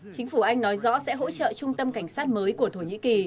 chính phủ anh nói rõ sẽ hỗ trợ trung tâm cảnh sát mới của thổ nhĩ kỳ